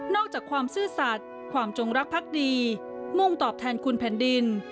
อกจากความซื่อสัตว์ความจงรักพักดีมุ่งตอบแทนคุณแผ่นดิน